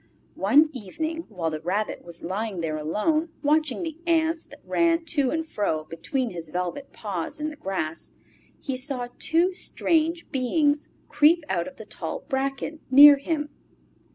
One evening, while the Rabbit was lying there alone, watching the ants that ran to and fro between his velvet paws in the grass, he saw two strange beings creep out of the tall bracken near him.